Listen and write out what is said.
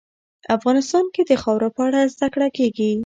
افغانستان کې د خاوره په اړه زده کړه کېږي.